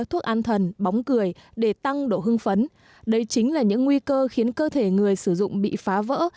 thuốc an thần bóng cười để tăng độ hương phấn đây chính là những nguy cơ khiến cơ thể người sử dụng bị phá vỡ